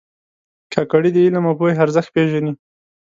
کاکړي د علم او پوهې ارزښت پېژني.